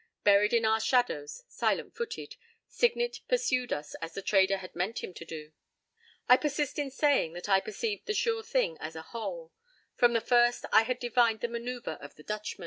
Buried in our shadows, silent footed, Signet pursued us as the trader had meant him to do. I persist in saying that I perceived the thing as a whole. From the first I had divined the maneuver of the Dutchman.